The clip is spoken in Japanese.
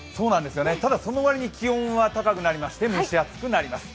ただ、その割に気温は高くなりまして、蒸し暑くなります。